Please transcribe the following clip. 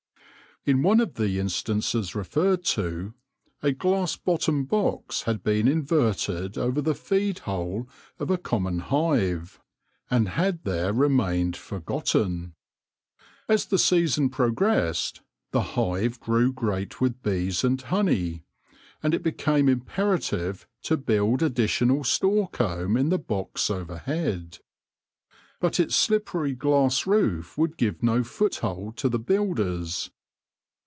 In one of the instances referred to, a glass bottomed box had been inverted over the feed hole of a common THE COMB BUILDERS 151 hive, and had there remained forgotten. As the season progressed, the hive grew great with bees and honey, and it became imperative to build additional store comb in the box overhead. But its slippery glass roof would give no foothold to the builders.